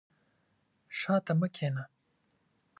شاته مي کښېنه !